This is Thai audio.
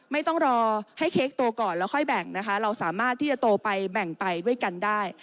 ไม่ต้องรอให้เค้กตัวก่อนแล้วค่อยแบ่งนะคะเราสามารถที่จะโตไปแบ่งไปด้วยกันได้